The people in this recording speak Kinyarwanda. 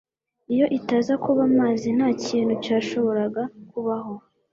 Iyo itaza kuba amazi, ntakintu cyashoboraga kubaho